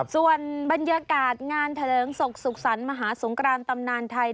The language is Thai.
ส่วนบรรเยอกาศงานแหน่งศพศุกรสรรมหาสงครานตำนานไทย